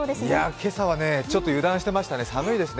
今朝はね、ちょっと油断してましたね、寒いですね。